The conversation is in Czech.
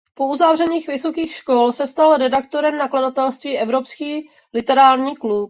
Po uzavření vysokých škol se stal redaktorem nakladatelství Evropský literární klub.